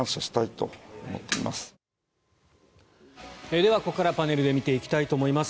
ではここからパネルで見ていきたいと思います。